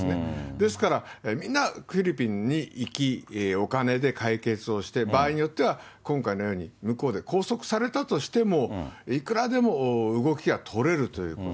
ですから、みんな、フィリピンに行き、お金で解決をして、場合によっては、今回のように、向こうで拘束されたとしても、いくらでも動きが取れるということ。